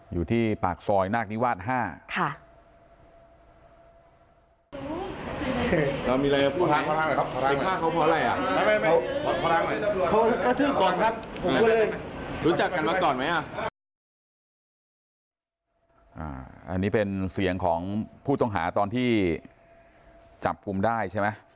อยู่ที่ปากซอยนาคนิวาส๕ค่ะอ่าอันนี้เป็นเสียงของผู้ต้องหาตอนที่จับกลุ่มได้ใช่ไหม